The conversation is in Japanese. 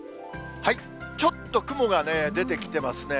ちょっと雲がね、出てきてますね。